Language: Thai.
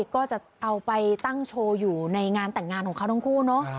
ก็จะเอาไปตั้งโชว์อยู่ในงานแต่งงานของเขาทั้งคู่เนอะ